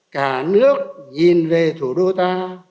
cả nước nhìn về thủ đô ta